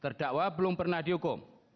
terdakwa belum pernah dihukum